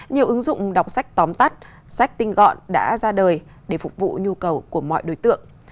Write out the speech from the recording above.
nhiều ứng dụng đọc sách tóm tắt sách tinh gọn đã ra đời để phục vụ nhu cầu của mọi đối tượng